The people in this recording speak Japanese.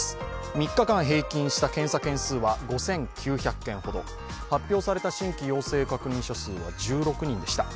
３日間平均した検査件数は５９００件ほど、発表された新規陽性確認者数は１６人でした。